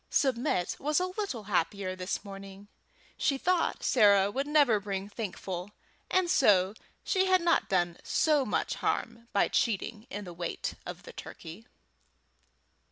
Submit was a little happier this morning. She thought Sarah would never bring Thankful, and so she had not done so much harm by cheating in the weight of the turkey.